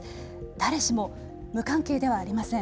誰しも無関係ではありません。